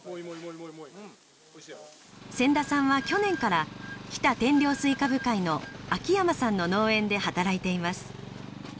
千田さんは去年から日田天領西瓜部会の秋山さんの農園で働いています。